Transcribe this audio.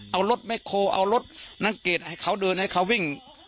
เอารถแคลเอารถนั่งเกรดให้เขาเดินให้เขาวิ่ง